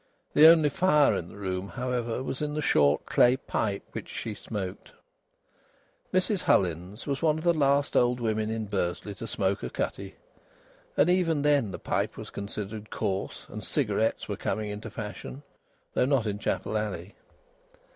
The only fire in the room, however, was in the short clay pipe which she smoked; Mrs Hullins was one of the last old women in Bursley to smoke a cutty; and even then the pipe was considered coarse, and cigarettes were coming into fashion though not in Chapel Alley.